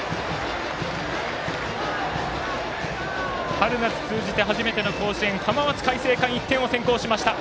春夏通じて初めての甲子園浜松開誠館、１点を先行しました。